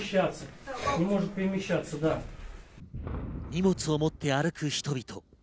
荷物を持って歩く人々。